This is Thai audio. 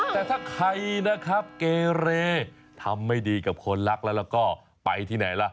แต่ถ้าใครนะครับเกเรทำไม่ดีกับคนรักแล้วก็ไปที่ไหนล่ะ